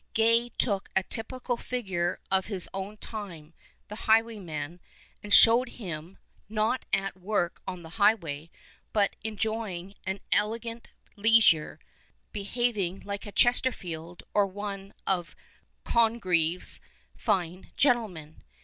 Gay took a typical figure of his own time — the highwayman — and showed him, not at work on the highway, but enjoying an elegant leisure, behaving like a Chesterfield or one of Con greve's fine gentlemen.